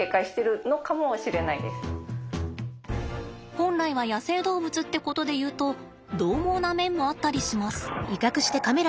本来は野生動物ってことでいうと獰猛な面もあったりします。